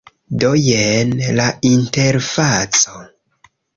Do, jen la interfaco